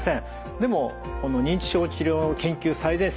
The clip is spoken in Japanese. でもこの認知症治療の研究最前線